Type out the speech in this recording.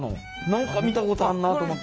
何か見たことあるなと思った。